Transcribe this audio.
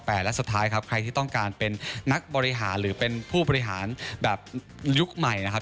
แต่และสุดท้ายครับใครที่ต้องการเป็นนักบริหารหรือเป็นผู้บริหารแบบยุคใหม่นะครับ